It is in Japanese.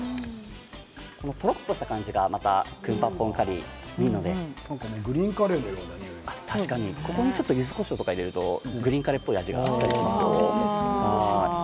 とろっとした感じが、またクンパッポンカリーいいのでここにゆずこしょうとか入れるとグリーンカレーっぽい味がしますよ。